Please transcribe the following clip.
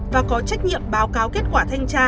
và có trách nhiệm báo cáo kết quả thanh tra